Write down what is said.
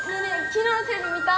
昨日のテレビ見た？